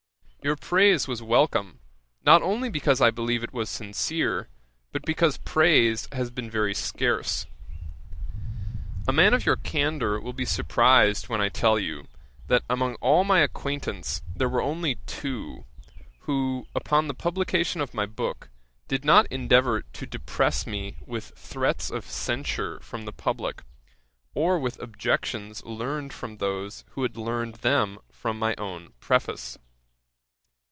Your praise was welcome, not only because I believe it was sincere, but because praise has been very scarce. A man of your candour will be surprised when I tell you, that among all my acquaintance there were only two, who upon the publication of my book did not endeavour to depress me with threats of censure from the publick, or with objections learned from those who had learned them from my own Preface.